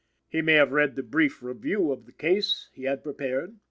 He may have read the "brief review of the case" he had prepared.